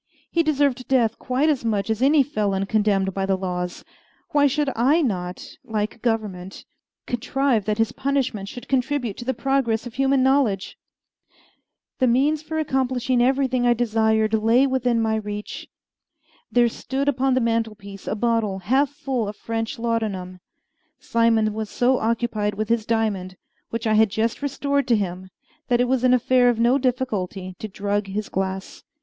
He deserved death quite as much as any felon condemned by the laws: why should I not, like government, contrive that his punishment should contribute to the progress of human knowledge? The means for accomplishing everything I desired lay within my reach. There stood upon the mantelpiece a bottle half full of French laudanum. Simon was so occupied with his diamond, which I had just restored to him, that it was an affair of no difficulty to drug his glass.